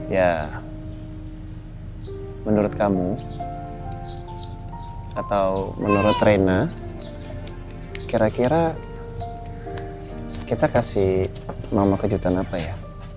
ya menurut kamu atau menurut reina kira kira kita kasih mama kejutan apa ya